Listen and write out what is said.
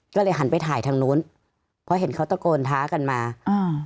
ก็เลยหันไปถ่ายทางนู้นเพราะเห็นเขาตะโกนท้ากันมาอ่า